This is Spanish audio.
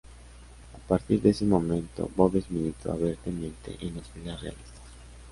A partir de ese momento Boves militó abiertamente en las filas realistas.